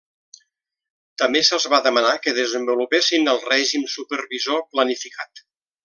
També se'ls va demanar que desenvolupessin el règim supervisor planificat.